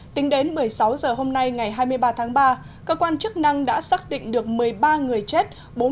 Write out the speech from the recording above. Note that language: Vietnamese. tính đến một mươi sáu h hôm nay ngày hai mươi ba tháng ba cơ quan chức năng đã xác định được một mươi ba người chết